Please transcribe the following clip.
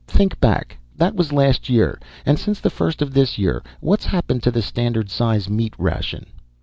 Think back. That was last year. And since the first of this year, what's happened to the standard size meat ration?"